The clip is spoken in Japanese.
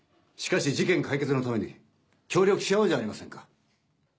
しかし事件解決のために協力しあおうじゃありませんか。